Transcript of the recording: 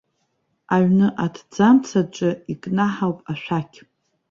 Аҩны аҭӡамц аҿы икнаҳауп ашәақь!